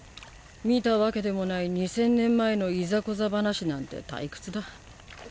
見たわけでもない二千年前のいざこざ話なんて退屈だ。